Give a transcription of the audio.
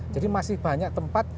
jadi masih banyak tempat